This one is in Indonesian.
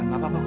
gak apa apa ya